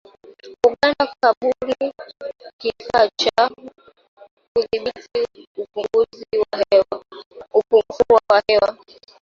Uganda kubuni kifaa cha kudhibiti uchafuzi wa hewa